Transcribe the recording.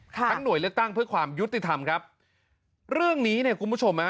ทั้งหน่วยเลือกตั้งเพื่อความยุติธรรมครับเรื่องนี้เนี่ยคุณผู้ชมฮะ